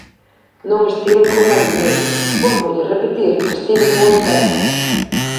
Non estiven con mariñeiros, vólvolle repetir que estiven con expertos.